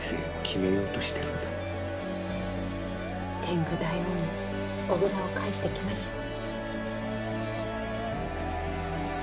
天狗大王にお札を返してきましょ。